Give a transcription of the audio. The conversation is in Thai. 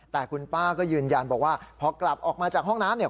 แต่คุณป้าก็ยืนยันบอกว่าพอกลับออกมาจากห้องน้ำเนี่ย